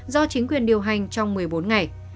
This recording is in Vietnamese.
do chính quyền điều hành trong một mươi bốn ngày